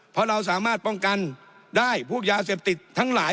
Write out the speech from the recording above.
เพราะเราสามารถป้องกันได้พวกยาเสพติดทั้งหลาย